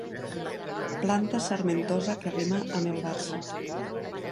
Planta sarmentosa que rima amb el Barça.